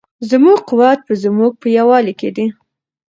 زموږ قوت په زموږ په یووالي کې دی.